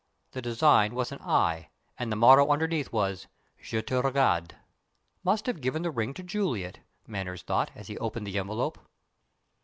The design was an eye; and the motto underneath was, "Je te regard." "Must have given the ring to Juliet," Manners thought, as he opened the envelope.